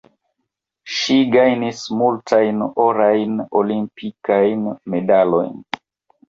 Ŝi gajnis multajn orajn olimpikajn medalojn.